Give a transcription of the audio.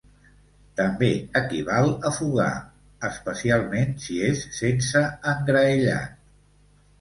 També equival a fogar, especialment si és sense engraellat.